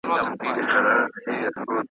وئیل یې یو عذاب د انتظار په نوم یادېږي .